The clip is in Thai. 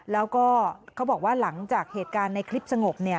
แล้วก็เขาบอกว่าหลังจากเหตุการณ์ในคลิปสงบ